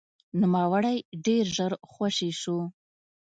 نوموړی ډېر ژر خوشې شو.